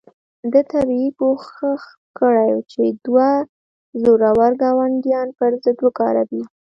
ده طبیعي کوښښ کړی چې دوه زورور ګاونډیان پر ضد وکاروي.